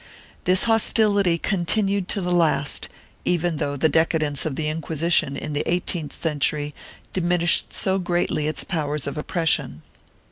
1 This hostility continued to the last, even though the decadence of the Inquisition in the eigh teenth century diminished so greatly its powers of oppression.